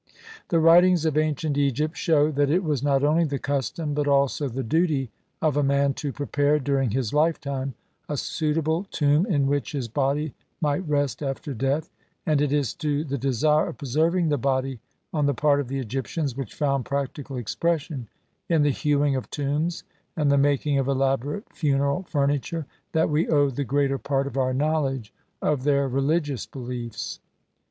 The writings of ancient Egypt shew that it was not only the custom, but also the duty of a man to prepare during his life time a suitable tomb in which his body might rest after death, and it is to the desire of preserving the body on the part of the Egyptians, which found practical expression in the hewing of tombs and the making of elaborate funeral furniture, that we owe the greater part of our knowledge of their religious beliefs.